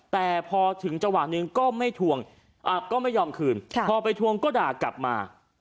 แต่พอถึงจังหวะหนึ่งก็ไม่ทวงก็ไม่ยอมคืนพอไปทวงก็ด่ากลับมา